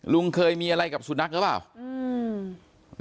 ลุงเคยมีอะไรกับสุนัขหรือเปล่าอืม